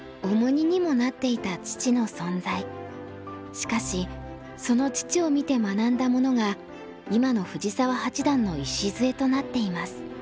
しかしその父を見て学んだものが今の藤澤八段の礎となっています。